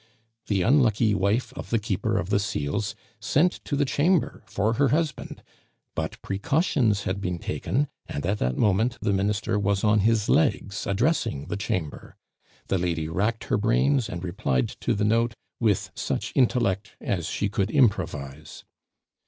The unlucky wife of the Keeper of the Seals sent to the Chamber for her husband; but precautions had been taken, and at that moment the Minister was on his legs addressing the Chamber. The lady racked her brains and replied to the note with such intellect as she could improvise.